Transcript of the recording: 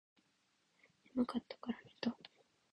眠かったらから寝た